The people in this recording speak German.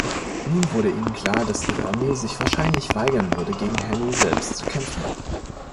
Nun wurde ihnen klar, dass ihre Armee sich wahrscheinlich weigern würde, gegen Henry selbst zu kämpfen.